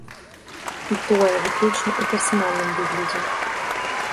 І тое, выключна ў персанальным выглядзе.